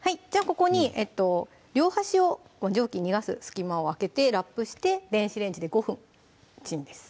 ここに両端を蒸気逃がす隙間を空けてラップして電子レンジで５分チンです